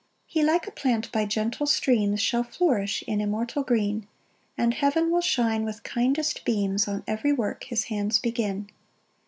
3 He like a plant by gentle streams, Shall flourish in immortal green; And heaven will shine with kindest beams On every work his hands begin.